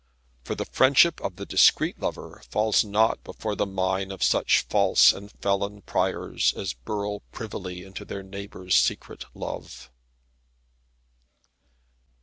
For the friendship of the discreet lover falls not before the mine of such false and felon pryers as burrow privily into their neighbour's secret love.